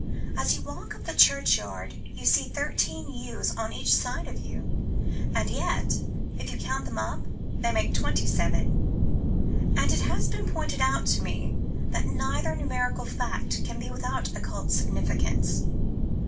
As you walk up the churchyard you see thirteen yews on each side of you, and yet, if you count them up, they make twenty seven, and it has been pointed out to me that neither numerical fact can be without occult significance.